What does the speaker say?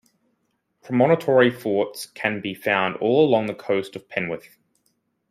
Promontory forts can be found all along the coast of Penwith.